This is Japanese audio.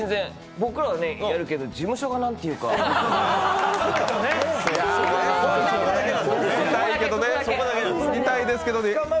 僕らはやるけど、事務所がなんて言うか見たいですけどね。